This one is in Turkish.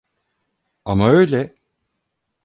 Ama öyle.